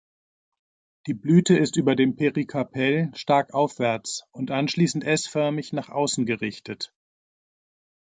Die Blüte ist über dem Perikarpell stark aufwärts und anschließend S-förmig nach außen gerichtet.